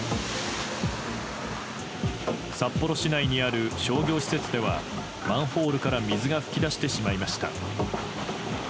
札幌市内にある商業施設ではマンホールから水が噴き出してしまいました。